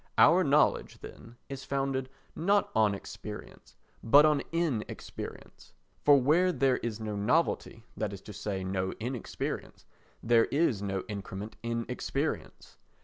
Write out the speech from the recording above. Our knowledge, then, is founded not on experience but on inexperience; for where there is no novelty, that is to say no inexperience, there is no increment in experience.